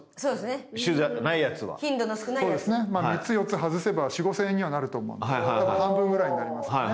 ３つ４つ外せば４，０００５，０００円にはなると思うので多分半分ぐらいになりますよね。